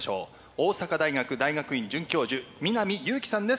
大阪大学大学院准教授南裕樹さんです。